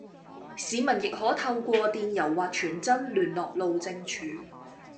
市民亦可透過電郵或傳真聯絡路政署